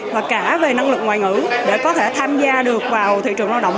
và cả về năng lực ngoại ngữ để có thể tham gia được vào thị trường lao động